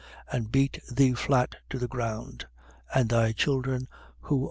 And beat thee flat to the ground, and thy children who are in thee.